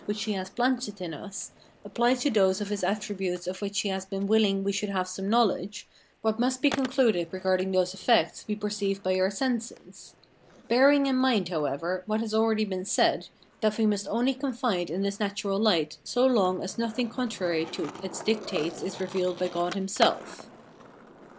] which he has planted in us, applied to those of his attributes of which he has been willing we should have some knowledge, what must be concluded regarding those effects we perceive by our senses; bearing in mind, however, what has been already said, that we must only confide in this natural light so long as nothing contrary to its dictates is revealed by God himself.